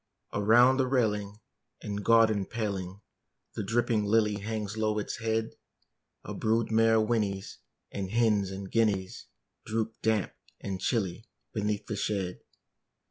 Around the railing and garden paling The dripping lily hangs low its head: A brood mare whinnies; and hens and guineas Droop, damp and chilly, beneath the shed.